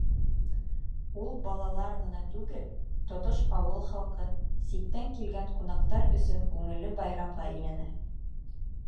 Ул балалар ғына түгел, тотош ауыл халҡы, ситтән килгән ҡунаҡтар өсөн күңелле байрамға әйләнә.